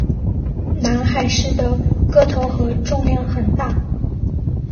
南海狮的个头和重量很大。